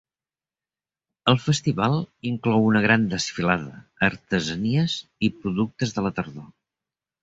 El festival inclou una gran desfilada, artesanies i productes de la tardor.